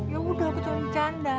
ya udah aku cuma bercanda